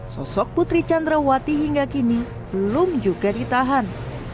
sosok putri candrawati hingga kini belum juga ditahan